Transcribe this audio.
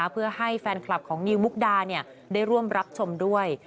เพื่อให้แฟนคลับของนิวมุกดาได้ร่วมรับชมด้วย